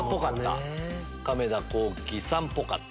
亀田興毅さんっぽかった。